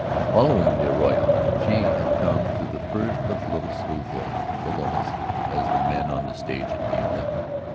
Following the arroyo, she had come to the first of the little, smooth hills, the lomas as the men on the stage had named them.